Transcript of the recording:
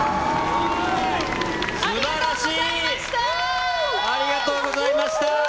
すばらしい。